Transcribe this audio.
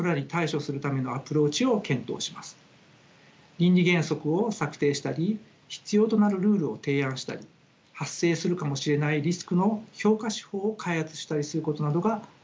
倫理原則を策定したり必要となるルールを提案したり発生するかもしれないリスクの評価手法を開発したりすることなどが挙げられます。